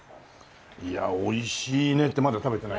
いやおいしいねってまだ食べてない。